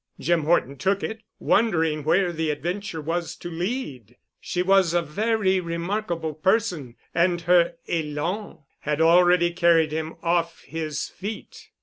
Jim Horton took it, wondering where the adventure was to lead. She was a very remarkable person and her élan had already carried him off his feet.